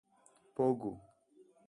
പോകു